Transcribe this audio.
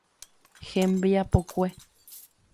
Hembiapokue.